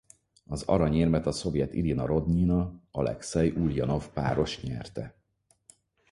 Az aranyérmet a szovjet Irina Rodnyina–Alekszej Ulanov-páros nyerte.